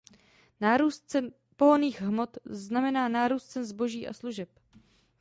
Nárůst cen pohonných hmot znamená nárůst cen zboží a služeb.